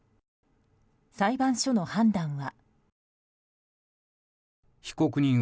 裁判所の判断は。